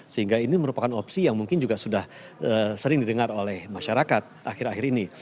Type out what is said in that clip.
sehingga ini merupakan opsi yang mungkin juga sudah sering didengar oleh masyarakat akhir akhir ini